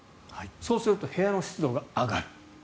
そうすると部屋の湿度が上がる。